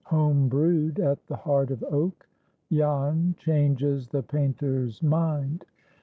—"HOME BREWED" AT THE HEART OF OAK.—JAN CHANGES THE PAINTER'S MIND.